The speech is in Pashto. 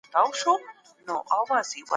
انساني چلند د وړاندوینې وړ نه دی.